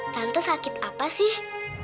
tante sakit apa sih